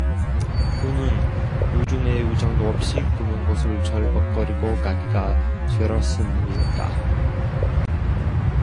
그는 이 우중에 우장도 없이 그 먼 곳을 철벅거리고 가기가 싫었음일까?